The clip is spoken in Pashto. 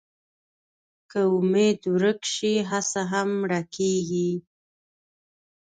که امېد ورک شي، هڅه هم مړه کېږي.